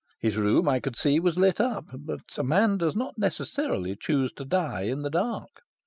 His room, I could see, was lit up; but a man does not necessarily choose to die in the dark.